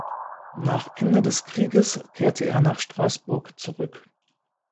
Nach Ende des Krieges kehrte er nach Straßburg zurück.